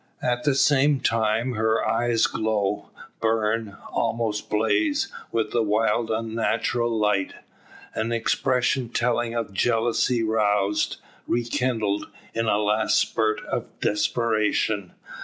At the same time her eyes glow, burn, almost blaze, with a wild unnatural light an expression telling of jealousy roused, rekindled, in a last spurt of desperation.